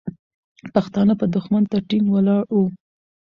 پښتانه به دښمن ته ټینګ ولاړ وو.